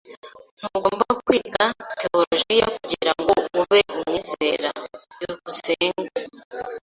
Ntugomba kwiga tewolojiya kugirango ube umwizera. byukusenge